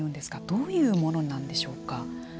どういうものなんでしょうか。